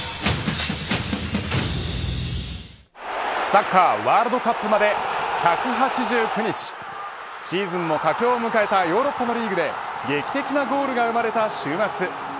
サッカーワールドカップまで１８９日シーズンも佳境を迎えたヨーロッパのリーグで劇的なゴールが生まれた週末。